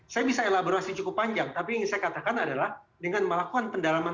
saya bisa elaborasi cukup panjang tapi ingin saya katakan adalah dengan melakukan pendalaman